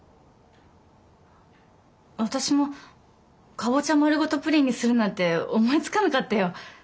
私もかぼちゃまるごとプリンにするなんて思いつかなかったよ。